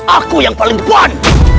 aku yang paling depan